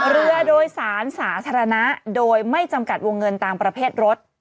เรือโดยสารสาธารณะโดยไม่จำกัดวงเงินตามประเภทรถ